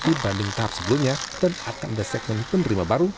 dibanding tahap sebelumnya dan akan ada segmen penerima baru